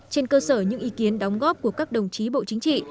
trên cơ sở những ý kiến đóng góp của các đồng chí bộ chính trị